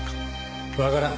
わからん。